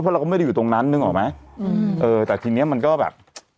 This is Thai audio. เพราะเราก็ไม่ได้อยู่ตรงนั้นนึกออกไหมอืมเออแต่ทีเนี้ยมันก็แบบ